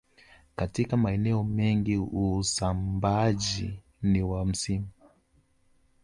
Katika maeneo mengi usambaaji ni wa msimu